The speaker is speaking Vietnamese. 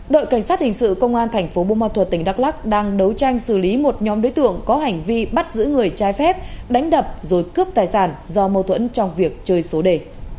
đội cảnh sát hình sự công an thành phố bô ma thuật tỉnh đắk lắc đang đấu tranh xử lý một nhóm đối tượng có hành vi bắt giữ người trái phép đánh đập rồi cướp tài sản do mâu thuẫn trong việc chơi số đề